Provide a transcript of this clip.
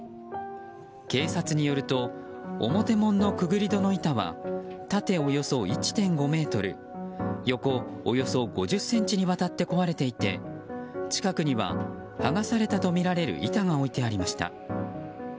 警察によると表門のくぐり戸の板は縦およそ１．５ｍ横およそ５０ｃｍにわたって壊れていて近くには、はがされたとみられる板が置いてありました。